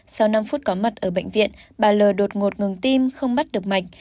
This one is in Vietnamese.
sau năm phút có mặt ở bệnh viện bà lụ đột ngột ngừng tim không bắt được mạch